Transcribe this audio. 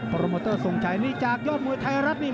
โพรวโมเตอร์ส่วนใจนี่จากยอดมวยไทยรัลติ